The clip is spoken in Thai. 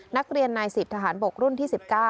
นักเรียนในสิบทหารปกรุ่นที่๑๙